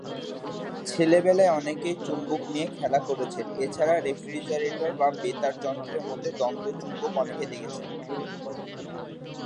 ছোটবেলায় অনেকেই চুম্বক নিয়ে খেলা করেছেন, এছাড়া রেফ্রিজারেটর বা বেতার যন্ত্রের মধ্যে দণ্ড চুম্বক অনেকেই দেখেছেন।